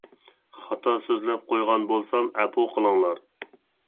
خاتا سۆزلەپ قويغان بولسام ئەپۇ قىلىڭلار.